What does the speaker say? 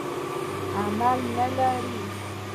عمل نه لري.